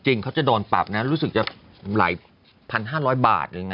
จริงจะโดนปรับนะรู้สึกจะหลายพันห้าร้อยบาท